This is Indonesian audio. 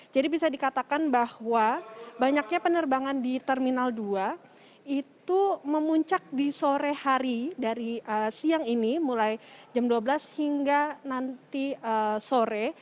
jadi bisa dikatakan bahwa banyaknya penerbangan di terminal dua itu memuncak di sore hari dari siang ini mulai jam dua belas hingga nanti sore